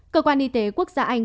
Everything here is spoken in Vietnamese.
cơ quan y tế quốc gia anh